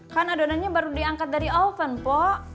kan adonannya baru diangkat dari oven pok